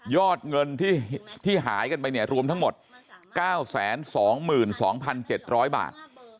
อดเงินที่หายกันไปเนี่ยรวมทั้งหมด๙๒๒๗๐๐บาท